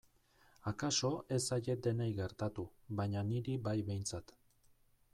Akaso ez zaie denei gertatu baina niri bai behintzat.